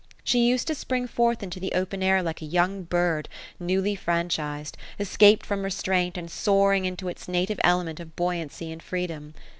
She used to spring forth into the open air like a young bird newly fran ohised, escaped from restraint, and soaring into its native element of buoyancy and freedom.